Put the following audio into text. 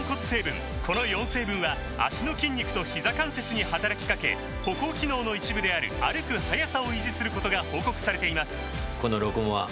この４成分は脚の筋肉とひざ関節に働きかけ歩行機能の一部である歩く速さを維持することが報告されています